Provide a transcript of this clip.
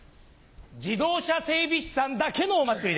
自動車整備士さんだけのお祭りです。